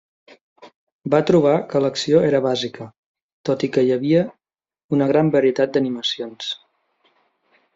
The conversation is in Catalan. Va trobar que l’acció era bàsica, tot i que hi havia una gran varietat d’animacions.